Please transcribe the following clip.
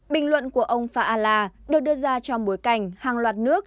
bình luận của ông fa ala được đưa ra trong bối cảnh hàng loạt nước